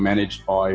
dan sebab itu